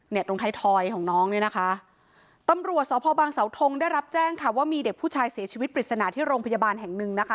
ตรงไทยทอยของน้องเนี่ยนะคะตำรวจสพบังเสาทงได้รับแจ้งค่ะว่ามีเด็กผู้ชายเสียชีวิตปริศนาที่โรงพยาบาลแห่งหนึ่งนะคะ